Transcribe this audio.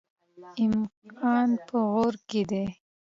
ایماقان په غور کې دي؟